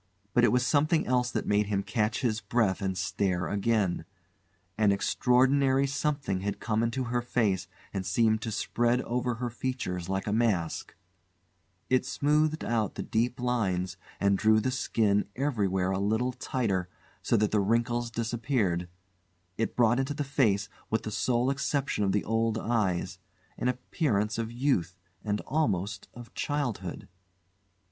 But it was something else that made him catch his breath and stare again. An extraordinary something had come into her face and seemed to spread over her features like a mask; it smoothed out the deep lines and drew the skin everywhere a little tighter so that the wrinkles disappeared; it brought into the face with the sole exception of the old eyes an appearance of youth and almost of childhood.